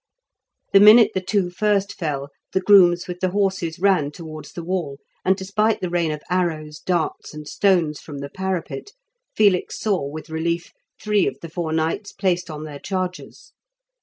The minute the two first fell, the grooms with the horses ran towards the wall, and despite the rain of arrows, darts, and stones from the parapet, Felix saw with relief three of the four knights placed on their chargers.